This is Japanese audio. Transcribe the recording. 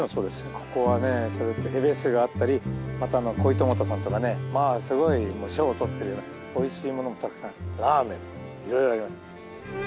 ここはねへべすがあったりまたこいとまとさんとかねすごい賞を取ってるようなおいしい物もたくさんラーメン色々あります。